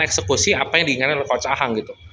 eksekusi apa yang diingatkan coach ahang gitu